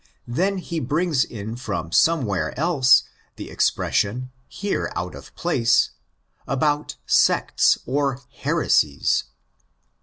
10); then he brings in from somewhere else the expression, here out of place, about sects or '' heresies."